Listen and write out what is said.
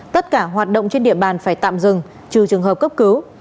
tất cả hoạt động trên địa bàn phải tạm dừng trừ trường hợp cấp cứu